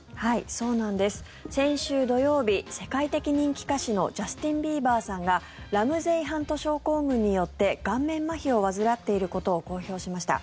そうなんです、先週土曜日世界的人気歌手のジャスティン・ビーバーさんがラムゼイ・ハント症候群によって顔面まひを患っていることを公表しました。